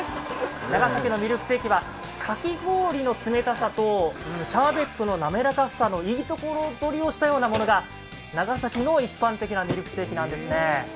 長崎のミルクセーキはかき氷の冷たさと、シャーベットの滑らかさのいいとこ取りをしたようなものが長崎の一般的なミルクセーキなんですね。